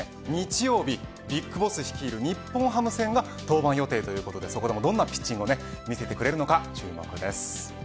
実は日曜日、ＢＩＧＢＯＳＳ率いる日本ハム戦が登板予定ということでそこでもどんなピッチングを見せてくれるか注目です。